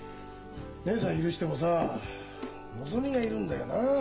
義姉さん許してもさのぞみがいるんだよな。